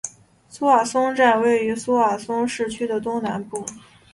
苏瓦松站位于苏瓦松市区的东南部。